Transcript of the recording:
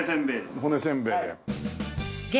骨せんべいだよ。